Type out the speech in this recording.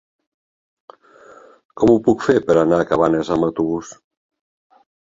Com ho puc fer per anar a Cabanes amb autobús?